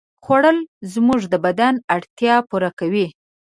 خوړل زموږ د بدن اړتیا پوره کوي